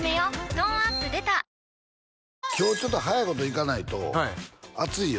トーンアップ出た今日ちょっと早いこといかないと熱いよ